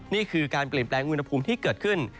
นี่คือการเปลี่ยนแปลงอุณหภูมิที่เกิดขึ้น